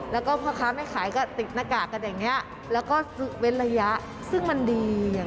แล้วก็พ่อค้าไม่ขายก็ติดหน้ากากกันอย่างนี้แล้วก็เว้นระยะซึ่งมันดีอย่าง